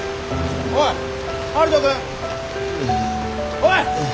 おい！